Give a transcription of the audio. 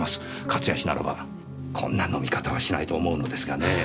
勝谷氏ならばこんな飲み方はしないと思うのですがねぇ。